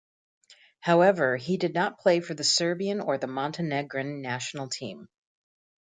However, he did not play for the Serbian or the Montenegrin national team.